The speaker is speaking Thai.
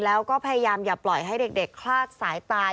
แล้วก็พยายามอย่าปล่อยให้เด็กคลาดสายตา